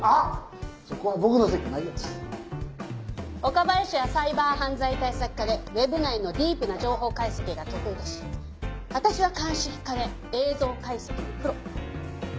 岡林はサイバー犯罪対策課でウェブ内のディープな情報解析が得意だし私は鑑識課で映像解析のプロ。